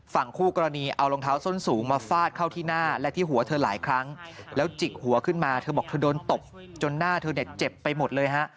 ฝั่งคู่กรณีเอารองเท้าส้นสูงมาฟาดเข้าที่หน้าและที่หัวเธอหลายครั้งแล้วจิกหัวขึ้นมาเธอบอกเธอโดนตบจนหน้าเธอเนี่ยเจ็บไปหมดเลยฮะ